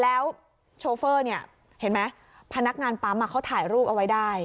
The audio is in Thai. แล้วโชเฟอร์เนี่ยเห็นไหมพนักงานปั๊มเขาถ่ายรูปเอาไว้ได้